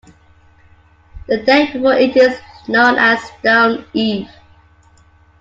The day before it is known as Stone Eve.